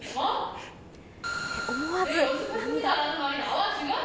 思わず涙。